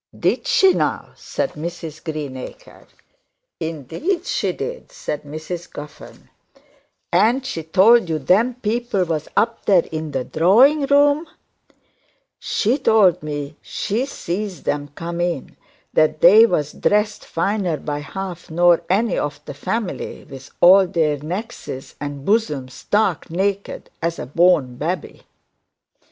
'Did she now?' said Mrs Greenacre. 'Indeed she did,' said Mrs Guffern. 'And she told you them people was up there in the drawing room?' 'She told me she zee'd them come in that they was dressed finer by half nor any of the family, with all their neckses and buzoms stark naked as a born babby.'